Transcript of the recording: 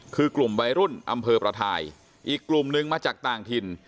คือกลุ่มวัยรุ่นอำเภอประทายอีกกลุ่มหนึ่งมาจากต่างถิ่น